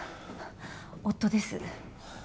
夫です。